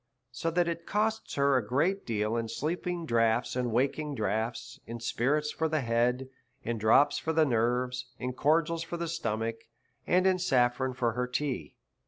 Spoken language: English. So that it costs her a great deal in sleeping draughts and waking draughts, in spirits for the head, in drops for the nerves, in cordials for the stomach, and in saffron for the tea.